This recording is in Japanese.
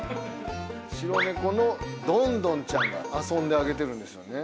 白猫のドンドンちゃんが遊んであげてるんですよね。